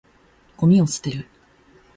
ゴミを捨てる。